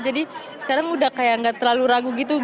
jadi sekarang udah kayak enggak terlalu ragu gitu